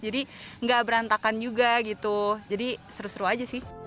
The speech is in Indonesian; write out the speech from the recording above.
nggak berantakan juga gitu jadi seru seru aja sih